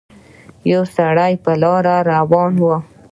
يو سړی په لاره روان وو